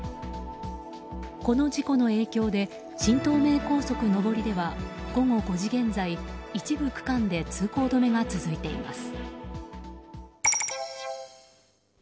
この事故の影響で新東名高速上りでは午後５時現在、一部区間で通行止めが続いています。